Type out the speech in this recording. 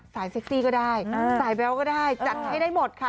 เซ็กซี่ก็ได้สายแววก็ได้จัดให้ได้หมดค่ะ